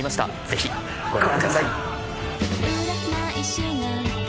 ぜひご覧ください！